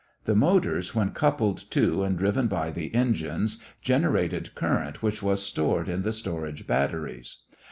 The motors when coupled to and driven by the engines generated current which was stored in the storage batteries.